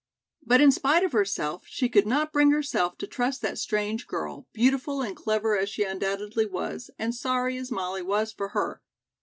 But in spite of herself, she could not bring herself to trust that strange girl, beautiful and clever as she undoubtedly was, and sorry as Molly was for her.